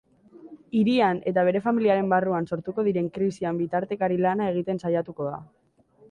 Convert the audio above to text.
Hirian eta bere familiaren barruan sortuko diren krisian bitartekari lana egiten saiatuko da.